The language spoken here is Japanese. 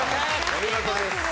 お見事です。